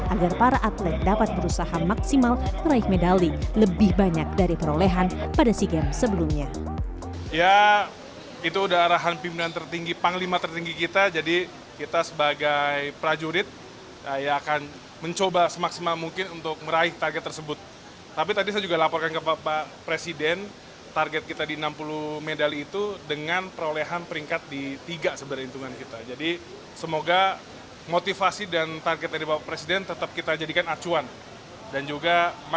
agar para atlet dapat berusaha maksimal meraih medali lebih banyak dari perolehan pada sea games sebelumnya